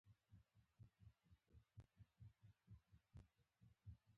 ماران یې د ټولو مېلمنو په غاړو کې راچول.